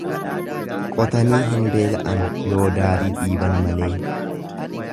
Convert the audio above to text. Qotanii hin beela'an yoo daarii dhiiban malee.